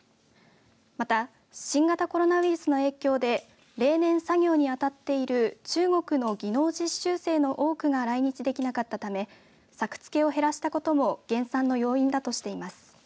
また新型コロナウイルスの影響で例年作業にあたっている中国の技能実習生の多くが来日できなかったため作付けを減らしたことも減産の要因だとしています。